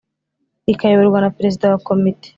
Ikayoborwa na Perezida wa Komite